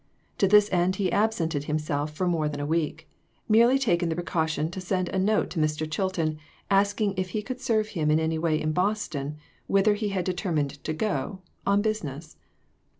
To this end he absented himself for more than a week; merely taking the precaution to send a note to Mr. Chilton, asking if he could serve him in any way in Boston, whither he had deter mined to go, on business.